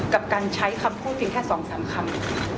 กับการใช้คำพูดเพียงแค่๒๓คำ